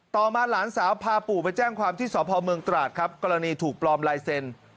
มาหลานสาวพาปู่ไปแจ้งความที่สพเมืองตราดครับกรณีถูกปลอมลายเซ็นต์